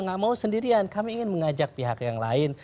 nggak mau sendirian kami ingin mengajak pihak yang lain